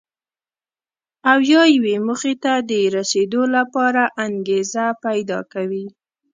او یا یوې موخې ته د رسېدو لپاره انګېزه پیدا کوي.